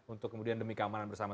untuk kemudian demi keamanan bersama